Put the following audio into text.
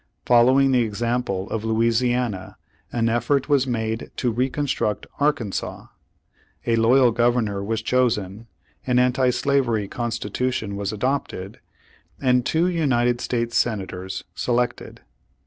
Fol lowing the example of Louisiana, an effort was made to reconstruct Arkansas. A loj^al governor was chosen, an anti slavery constitution was adopted, and two United States Senators selected.